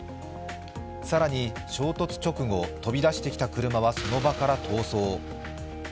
更に、衝突直後飛び出してきた車はその場から逃走。